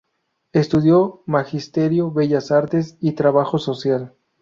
Estudió Magisterio, Bellas Artes y Trabajo Social.